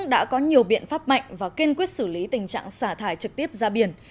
đã có nhiều biện pháp mạnh và kiên quyết xử lý tình trạng xả thải trực tiếp ra biển